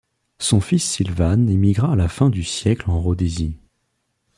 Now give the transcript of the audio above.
Son fils Sylvan émigra à la fin du siècle en Rhodésie.